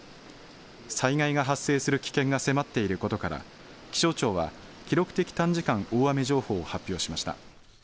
災害が発生する危険が迫っていることから気象庁は記録的短時間大雨情報を発表しました。